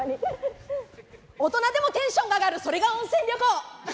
大人でもテンションが上がるそれが温泉旅行！